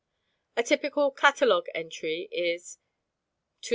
A typical catalogue entry is "279.